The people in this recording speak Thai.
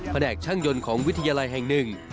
แหนกช่างยนต์ของวิทยาลัยแห่งหนึ่ง